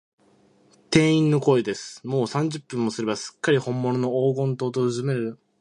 店員の声です。もう三十分もすれば、すっかりほんものの黄金塔をうずめることができようという、きわどいときに、このさわぎです。